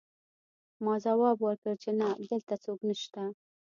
ما ځواب ورکړ چې نه دلته څوک نشته